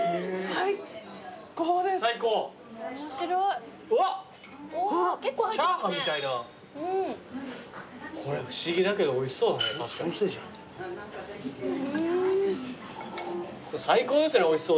最高ですねおいしそうで。